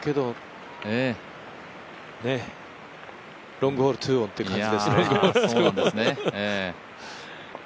ロングホール、２オンって感じですね。